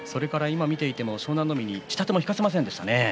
また湘南乃海に下手も引かせませんでしたね。